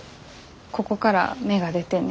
ここから芽が出てね